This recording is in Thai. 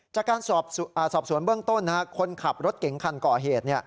จากการสอบสวนเบื้องต้นคนขับรถเก๋งคันก่อเหตุ